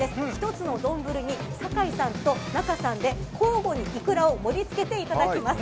１つの丼に酒井さんとナカさんで交互にイクラを盛り付けていただきます。